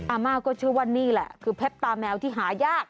อาม่าก็เชื่อว่านี่แหละคือเพชรตาแมวที่หายาก